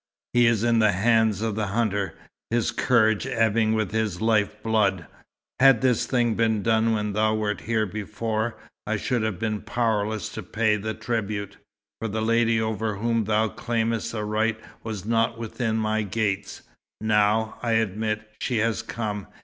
He is in the hands of the hunter, his courage ebbing with his life blood. Had this thing been done when thou wert here before, I should have been powerless to pay the tribute, for the lady over whom thou claimst a right was not within my gates. Now, I admit, she has come.